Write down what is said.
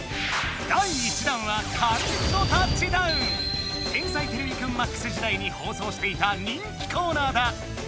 第１弾は「天才てれびくんＭＡＸ」時代にほうそうしていた人気コーナーだ！